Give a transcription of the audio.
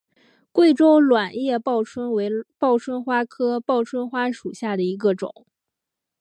贵州卵叶报春为报春花科报春花属下的一个种。